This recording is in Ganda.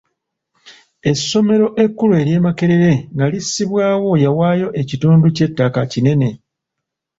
Essomero ekkulu ery'e Makerere nga lissibwawo yawaayo ekitundu ky'ettaka kinene.